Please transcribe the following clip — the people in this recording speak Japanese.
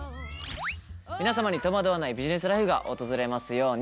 皆様に戸惑わないビジネスライフが訪れますように。